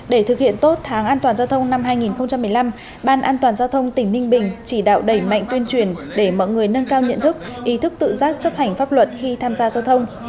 để thực hiện tốt tháng an toàn giao thông năm hai nghìn một mươi năm ban an toàn giao thông tỉnh ninh bình chỉ đạo đẩy mạnh tuyên truyền để mọi người nâng cao nhận thức ý thức tự giác chấp hành pháp luật khi tham gia giao thông